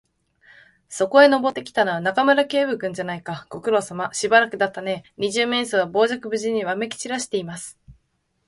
そこへ登ってきたのは、中村警部君じゃないか。ご苦労さま。しばらくだったねえ。二十面相は傍若無人にわめきちらしています。